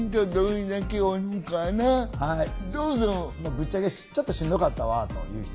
ぶっちゃけちょっとしんどかったわという人。